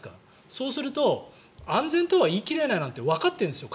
そうすると安全とは言い切れないなんてわかっているんですよ。